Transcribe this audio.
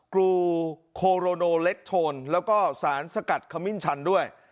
กรูโคโรโนเล็กโทนแล้วก็สารสกัดขมิ้นชันด้วย